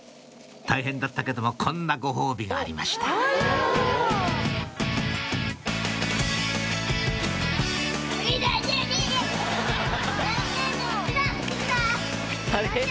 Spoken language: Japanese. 大変だったけどもこんなご褒美がありましたテテテ！